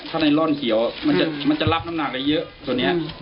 ถ้าในร่อนเขียวมันจะรับน้ำหนักได้เยอะตัวนี้